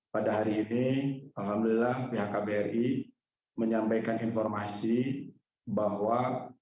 pada hari ini alhamdulillah pihak kbri menyampaikan informasi bahwa